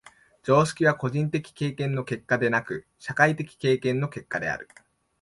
常識は個人的経験の結果でなく、社会的経験の結果である。